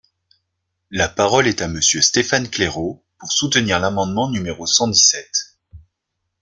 La parole est à Monsieur Stéphane Claireaux, pour soutenir l’amendement numéro cent dix-sept.